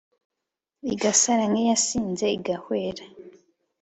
Igasara nk'iyasinze, igahwera!